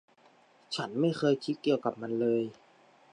ฉันไม่เคยคิดเกี่ยวกับมันเลย